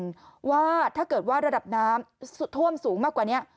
ถ้าเกิดว่าระดับน้ำท่วมสูงมากกว่านี้